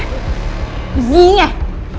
อย่างนี้ไง